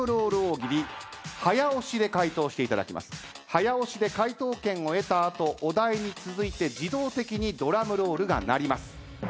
早押しで回答権を得た後お題に続いて自動的にドラムロールが鳴ります。